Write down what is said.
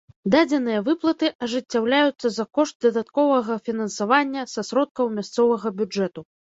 Дадзеныя выплаты ажыццяўляюцца за кошт дадатковага фінансавання са сродкаў мясцовага бюджэту.